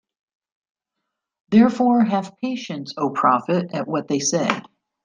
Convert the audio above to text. Therefore, have patience, O Prophet, at what they say.